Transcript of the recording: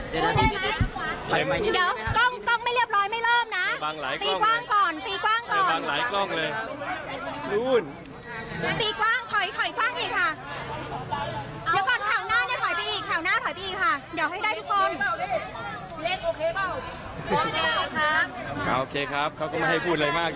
เดี๋ยวก๊องไม่เรียบร้อยไม่เริ่มนะ